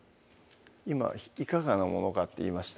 今「いかがなものか」って言いました？